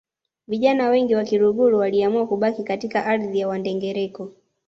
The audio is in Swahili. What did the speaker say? Vijana wengi wa Kiluguru waliamua kubaki katika ardhi ya Wandengereko